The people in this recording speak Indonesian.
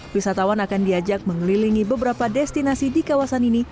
wisatawan akan diajak mengelilingi beberapa destinasi di kawasan ini